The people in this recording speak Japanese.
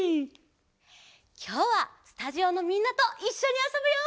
きょうはスタジオのみんなといっしょにあそぶよ！